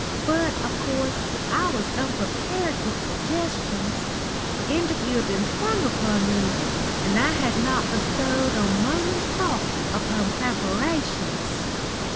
"But, of course, I was unprepared with suggestions. The interview had been sprung upon me, and I had not bestowed a moment's thought upon preparations.